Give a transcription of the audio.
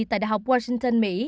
tại đại học washington mỹ